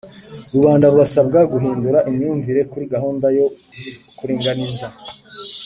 Rubanda rurasabwa guhindura imyumvire kuri gahunda yo kuringaniza